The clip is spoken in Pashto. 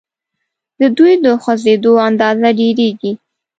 د دوی د خوځیدو اندازه ډیریږي.